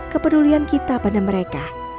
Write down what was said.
kepedulian kita pada mereka